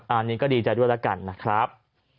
อันนี้ก็ดีใจด้วยแล้วกันนะครับ